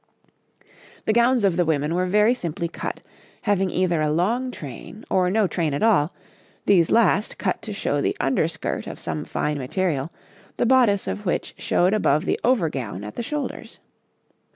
The gowns of the women were very simply cut, having either a long train or no train at all, these last cut to show the under skirt of some fine material, the bodice of which showed above the over gown at the shoulders.